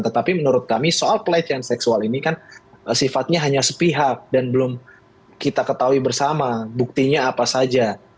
tetapi menurut kami soal pelecehan seksual ini kan sifatnya hanya sepihak dan belum kita ketahui bersama buktinya apa saja